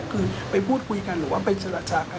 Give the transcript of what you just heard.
คือไปพูดคุยกันหรือว่าไปเจรจากัน